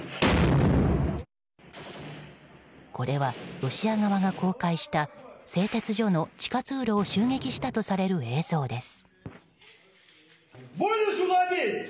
これは、ロシア側が公開した製鉄所の地下通路を襲撃したとする映像です。